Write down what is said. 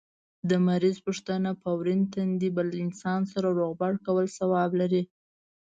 د مریض پوښتنه په ورين تندي بل انسان سره روغبړ کول ثواب لري